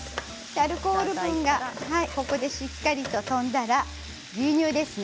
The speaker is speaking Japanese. アルコール分がここでしっかり飛んだら牛乳ですね。